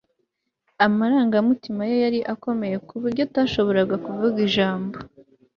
Amarangamutima ye yari akomeye kuburyo atashoboraga kuvuga ijambo